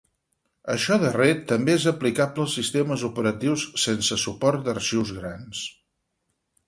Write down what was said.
Això darrer també és aplicable als sistemes operatius sense suport d'arxius grans.